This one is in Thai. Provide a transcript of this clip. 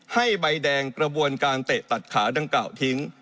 ให้ใบแดงกระบวนการเตะตัดขาดังกล่าวทิ้ง